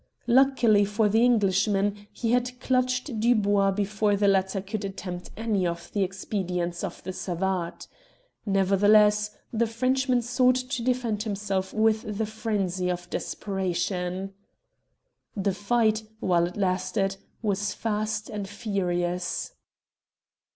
Luckily for the Englishman he had clutched Dubois before the latter could attempt any of the expedients of the savate. Nevertheless the Frenchman sought to defend himself with the frenzy of desperation. The fight, while it lasted, was fast and furious.